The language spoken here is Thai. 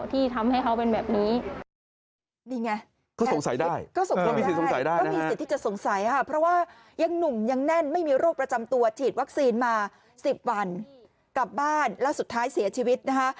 ที่ทำให้เขาเป็นแบบนี้